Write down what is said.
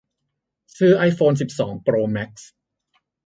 ซื้อไอโฟนสิบสองโปรแม็กซ์